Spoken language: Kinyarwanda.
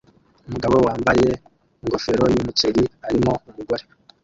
Umugabo wambaye ingofero yumuceri arimo umugore